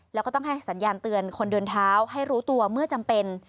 แล้วก็ต้องให้สัญญาณเตือนคนเดินเท้าให้รู้ตัวเมื่อจำเป็น